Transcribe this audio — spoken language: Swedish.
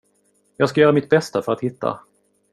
Jag ska göra mitt bästa för att hitta.